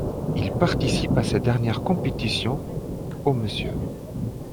Il participe à sa dernière compétition au Mr.